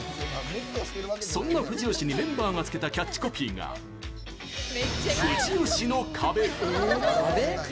そんな藤吉にメンバーが付けたキャッチコピーが、藤吉の壁。